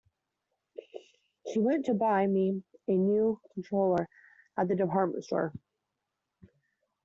She went to buy me a new console at the department store.